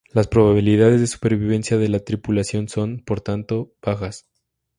Las probabilidades de supervivencia de la tripulación son, por tanto, bajas.